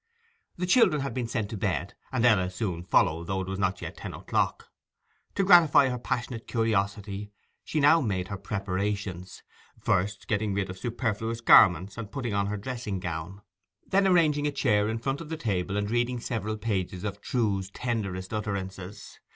The children had been sent to bed, and Ella soon followed, though it was not yet ten o'clock. To gratify her passionate curiosity she now made her preparations, first getting rid of superfluous garments and putting on her dressing gown, then arranging a chair in front of the table and reading several pages of Trewe's tenderest utterances.